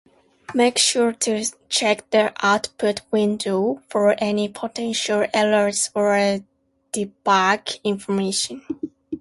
Make sure to check the output window for any potential errors or debug information.